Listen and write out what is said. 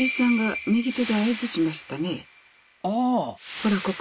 ほらここ！